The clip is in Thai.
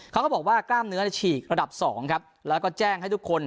เขาก็บอกว่ากล้ามเนื้อฉีกระดับสองครับแล้วก็แจ้งให้ทุกคน